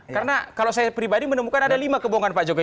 karena kalau saya pribadi menemukan ada lima kebohongan pak jokowi